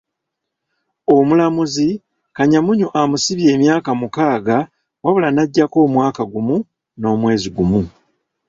Omulamuzi, Kanyamunyu amusibye emyaka mukaaga wabula n'aggyako omwaka gumu n'omwezi gumu .